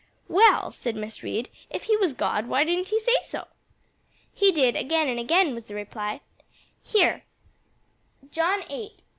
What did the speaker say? "Well," said Miss Reed, "if he was God, why didn't he say so?" "He did again and again," was the reply "Here John viii.